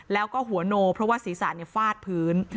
แล้วก็หัวโนเพราะว่าศีรษะฟาดพื้น